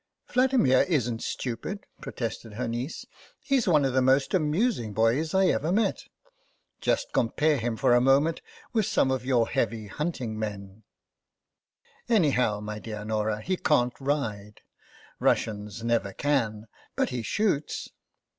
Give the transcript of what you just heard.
'* Vladimir isn't stupid," protested her niece ;" he's one of the most amusing boys I ever met. Just compare him for a moment with some of your heavy hunting men "" Anyhow, my dear Norah, he can't ride." " Russians never can ; but he shoots."